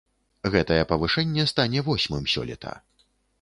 Гэтае павышэнне стане восьмым сёлета.